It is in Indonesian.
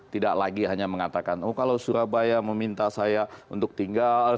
tidak lagi hanya mengatakan oh kalau surabaya meminta saya untuk tinggal